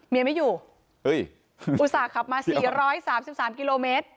เมียไม่อยู่เฮ้ยอุตส่าห์ขับมาสี่ร้อยสามสิบสามกิโลเมตร